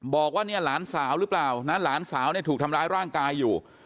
บอกว่าเนี่ยหลานสาวหรือเปล่านะหลานสาวเนี่ยถูกทำร้ายร่างกายอยู่